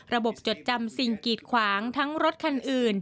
จดจำสิ่งกีดขวางทั้งรถคันอื่น